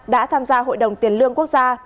đã tham gia hội đồng tiền lương quốc gia